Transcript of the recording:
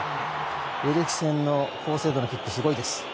エリクセンの高精度のキック、すごいです。